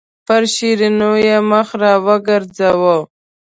پر شیرینو یې مخ راوګرځاوه.